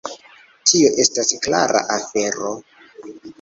Tio estas klara afero.